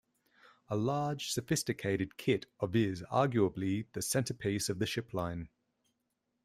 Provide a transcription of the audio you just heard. A large, sophisticated kit of is arguably the centerpiece of the ship line.